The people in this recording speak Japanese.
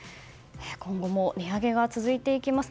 今後も値上げが続いていきます。